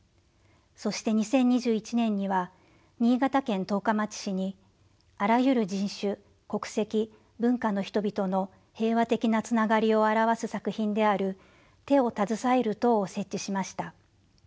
そして２０２１年には新潟県十日町市にあらゆる人種国籍文化の人々の平和的なつながりを表す作品である「手をたずさえる塔」を設置しました。